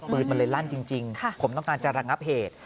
ปืนมันเลยลั่นจริงผมต้องการจะระงับเหตุ